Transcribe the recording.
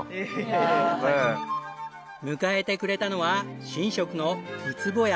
迎えてくれたのは神職の靭矢